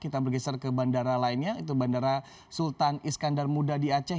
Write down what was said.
kita bergeser ke bandara lainnya itu bandara sultan iskandar muda di aceh